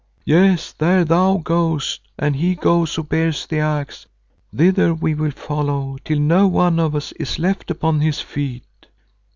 Yes, where thou goest and he goes who bears the Axe, thither will we follow till not one of us is left upon his feet."